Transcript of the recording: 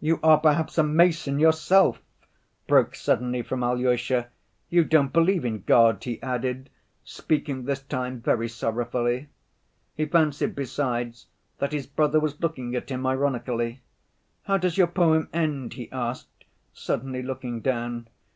"You are perhaps a Mason yourself!" broke suddenly from Alyosha. "You don't believe in God," he added, speaking this time very sorrowfully. He fancied besides that his brother was looking at him ironically. "How does your poem end?" he asked, suddenly looking down.